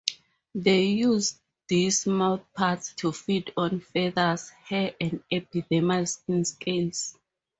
They use these mouthparts to feed on feathers, hair, and epidermal skin scales.